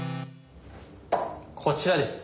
こちらです。